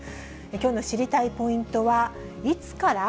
きょうの知りたいポイントは、いつから？